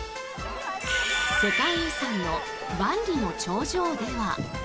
世界遺産の万里の長城では。